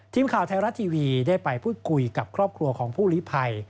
ทีมข่าวไทยรัฐทีวีได้ไปพูดคุยกับครอบครัวของผู้ลิภัย